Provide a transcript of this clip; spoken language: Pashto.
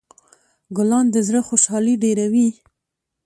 ګلان د زړه خوشحالي ډېروي.